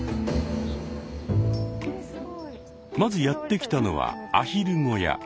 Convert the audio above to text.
まずやって来たのはアヒル小屋。